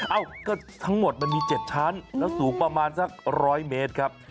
เอ้าก็ทั้งหมดมันมี๗ชั้นแล้วสูงประมาณสัก๑๐๐เมตรครับ